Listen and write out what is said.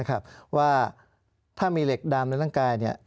นะครับว่าถ้ามีเหล็กดำในร่างกายนี่